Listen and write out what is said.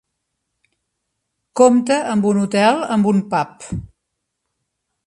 Compta amb un hotel amb un pub.